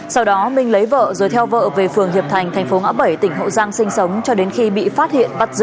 sau đó minh lấy vợ rồi theo vợ về phường hiệp thành thành phố ngã bảy tỉnh hậu giang sinh sống cho đến khi bị phát hiện bắt giữ